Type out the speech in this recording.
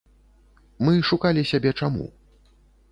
Мы шукалі сябе чаму.